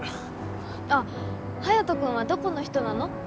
あっハヤト君はどこの人なの？